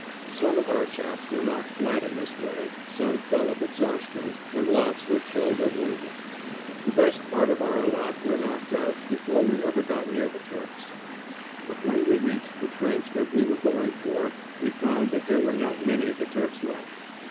Some of our chaps were knocked flat in this way, some fell of exhaustion, and lots were killed or wounded. The best part of our lot were knocked out before we ever got near the Turks. But when we reached the trench that we were going for we found that there were not many of the Turks left.